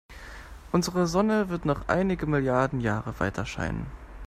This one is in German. Unsere Sonne wird noch einige Milliarden Jahre weiterscheinen.